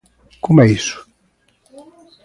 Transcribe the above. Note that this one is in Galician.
¿Como é iso?